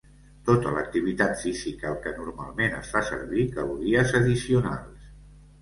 Tota l'activitat física al que normalment es fa servir calories addicionals.